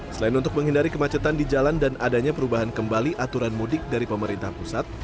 selain untuk menghindari kemacetan di jalan dan adanya perubahan kembali aturan mudik dari pemerintah pusat